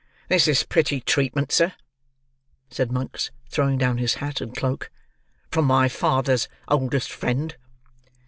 "This is pretty treatment, sir," said Monks, throwing down his hat and cloak, "from my father's oldest friend."